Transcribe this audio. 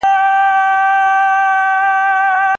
د ماشومانو حقونه نړیوال ارزښت لري.